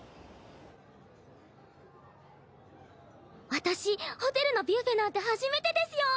私ホテルのビュッフェなんて初めてですよ。